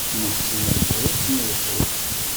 Nessen amek ara s-nelḥu.